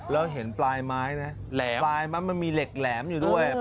แล้วเห็นปลายไม้นะปลายไม้มันมีเหล็กแหลมอยู่ด้วย